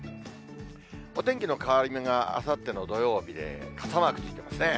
お天気の変わり目があさっての土曜日で、傘マークついてますね。